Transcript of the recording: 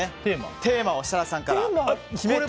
テーマを設楽さんから決めて。